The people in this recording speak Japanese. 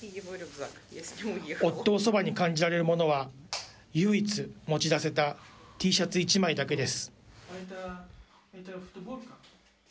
夫をそばに感じられるものは、唯一持ち出せたＴシャツ１枚だけです。